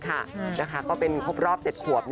ก็เป็นครบรอบ๗ขวบ